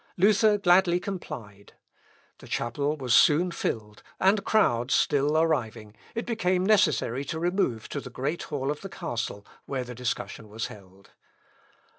Luther gladly complied. The chapel was soon filled, and crowds still arriving, it became necessary to remove to the great hall of the castle, where the discussion was held.